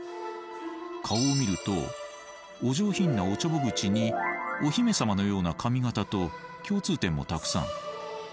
顔を見るとお上品なおちょぼ口にお姫様のような髪形と共通点もたくさん。